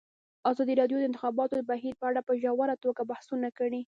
ازادي راډیو د د انتخاباتو بهیر په اړه په ژوره توګه بحثونه کړي.